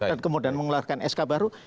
dan kemudian mengeluarkan sk baru